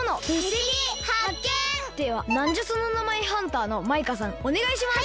ではなんじゃその名前ハンターのマイカさんおねがいします。